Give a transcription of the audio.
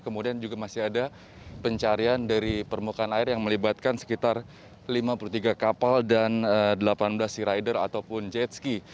kemudian juga masih ada pencarian dari permukaan air yang melibatkan sekitar lima puluh tiga kapal dan delapan belas sea rider ataupun jet ski